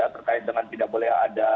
terkait dengan tidak boleh ada